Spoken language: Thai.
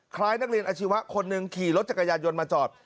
คล้ายนักเรียนอาชีวะคนหนึ่งขี่รถจักรยานยนต์มาจอด